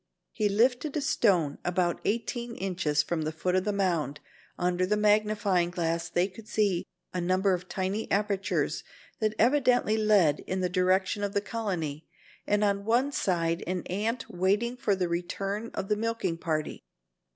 He lifted a stone about eighteen inches from the foot of the mound. Under the magnifying glass they could see a number of tiny apertures that evidently led in the direction of the colony, and on one side an ant waiting for the return of the milking party.